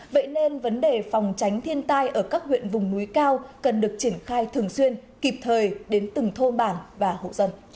vậy nên vấn đề phòng tránh thiên tai ở các huyện vùng núi cao cần được triển khai thường xuyên kịp thời đến từng thôn bản và hộ dân